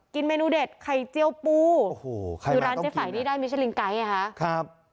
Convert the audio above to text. กินเมนูเด็ดไข่เจี๊ยวปูโอ้โหใครมาต้องกินน่ะดูร้านเจ๊ไฝ่นี่ได้มิชลินไกท์ไอ้ค่ะครับ